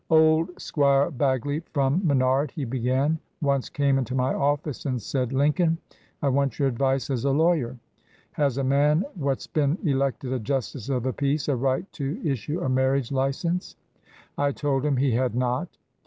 "Old Squire Bagley from Menard," he began, "once came into my office and said, 'Lincoln, I want your advice as a lawyer. Has a man what 's been elected a justice of the peace a right to issue a marriage license?' I told him he had not.